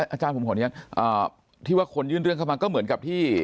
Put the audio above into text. อาจารย์ผมขออนุญาตที่ว่าคนยื่นเรื่องเข้ามาก็เหมือนกับที่